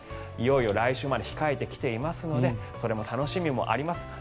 いよいよ来週まで控えてきていますのでそれも楽しみもあります。